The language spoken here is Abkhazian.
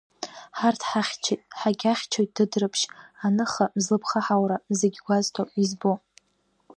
Ҳарҭ ҳахьчеит, ҳагьахьчоит Дыдрыԥшь Аныха, зылԥха ҳаура, зегь гәазҭо, избо.